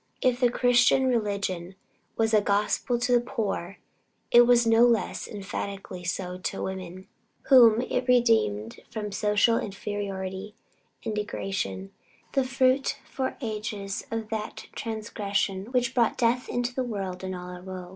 If the Christian religion was a Gospel to the poor, it was no less emphatically so to woman, whom it redeemed from social inferiority and degradation, the fruit for ages of that transgression which "brought death into the world, and all our wo."